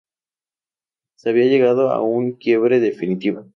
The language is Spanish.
Se había llegado a un quiebre definitivo.